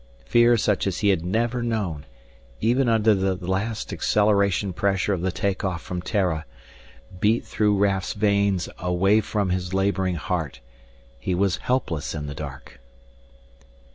Fear such as he had never known, even under the last acceleration pressure of the take off from Terra, beat through Raf's veins away from his laboring heart. He was helpless in the dark!